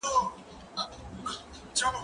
کېدای سي د کتابتون کتابونه سخت وي!؟